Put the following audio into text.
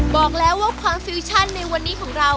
บอกแล้วว่าความฟิวชั่นในวันนี้ของเรา